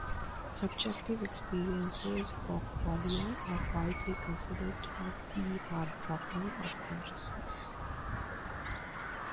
Subjective experiences or qualia are widely considered to be "the" hard problem of consciousness.